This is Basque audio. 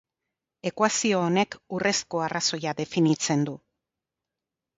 Ekuazio honek urrezko arrazoia definitzen du.